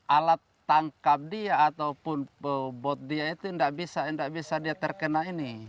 alat tangkap dia ataupun bot dia itu tidak bisa terkena ini